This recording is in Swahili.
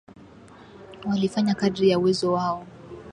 Walifanya kadri ya uwezo wao